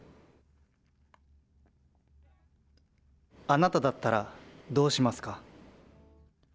あなただったらどうしますか？